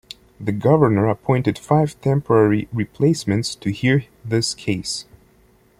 The Governor appointed five temporary replacements to hear this case.